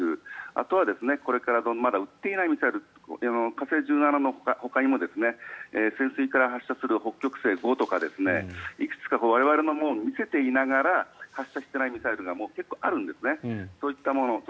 あとはこれからまだ撃っていないミサイル火星１７のほかにも潜水艦から発射する北極星５とかいくつか我々に見せていながら発射していないミサイルが結構あるんですね。